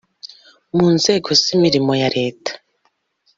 mu nzego z’imirimo ya leta).